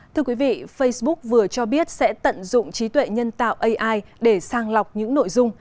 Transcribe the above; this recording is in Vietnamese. thưa quý vị facebook vừa cho biết sẽ tận dụng trí tuệ nhân tạo ai để sang lọc những nội dung